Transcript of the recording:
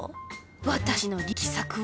私の力作を